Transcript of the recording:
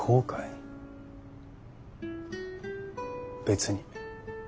別に。